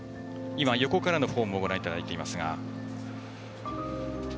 横からのフォームをご覧いただいていますが。